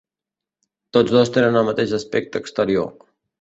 Tots dos tenen el mateix aspecte exterior.